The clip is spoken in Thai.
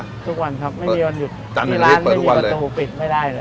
ทุกวันครับไม่มีวันหยุดที่ร้านไม่มีประตูปิดไม่ได้เลย